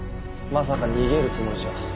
まさか逃げるつもりじゃ。